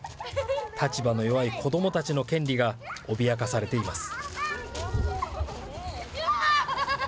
立場の弱い子どもたちの権利が脅かされています。